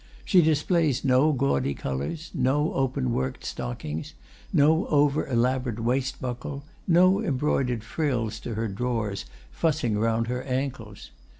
She displays no gaudy colors, no open worked stockings, no over elaborate waist buckle, no embroidered frills to her drawers fussing round her ankles.